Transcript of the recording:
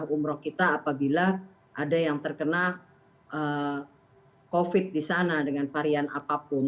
akses langsung terhadap jemaah umroh kita apabila ada yang terkena covid di sana dengan varian apapun